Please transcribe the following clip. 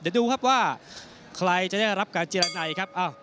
เดี๋ยวดูครับว่าใครจะได้รับการเจรนัยครับ